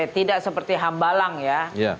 tidak seperti hambalang ya